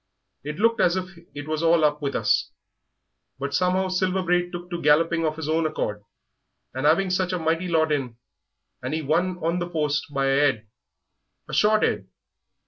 It looked as if it was all up with us, but somehow Silver Braid took to galloping of his own accord, and 'aving such a mighty lot in 'and he won on the post by a 'ead a short 'ead....